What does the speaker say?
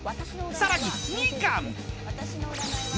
［さらに］